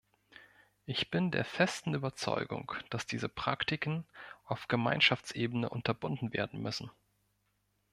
Ich bin der festen Überzeugung, dass diese Praktiken auf Gemeinschaftsebene unterbunden werden müssen.